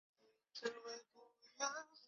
柑橘黄龙病是柑橘类植物的严重疾病。